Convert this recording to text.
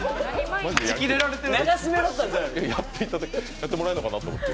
やってもらえるのかなと思って。